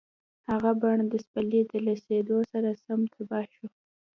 هغه بڼ د پسرلي د رسېدو سره سم تباه شو.